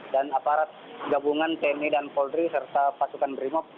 dan aparat gabungan tni dan polri serta pasukan beringop